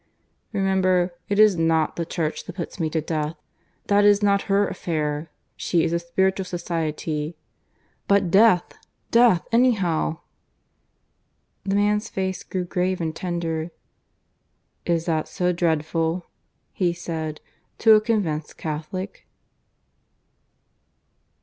Remember it is not the Church that puts me to death. That is not her affair. She is a spiritual society." "But death! death, anyhow!" The man's face grew grave and tender. "Is that so dreadful," he said, "to a convinced Catholic?"